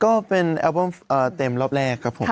ก็เป็นแอปเปิ้ลเต็มรอบแรกครับผม